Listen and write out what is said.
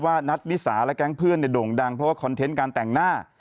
นัทนิสาและแก๊งเพื่อนโด่งดังเพราะว่าคอนเทนต์การแต่งหน้า